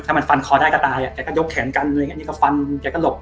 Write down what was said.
ถ้ามันฟันคอได้ก็ตายแกก็ยกแขนกันฟันแกก็หลบ